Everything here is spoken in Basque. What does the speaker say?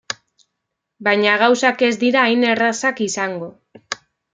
Baina gauzak ez dira hain errazak izango.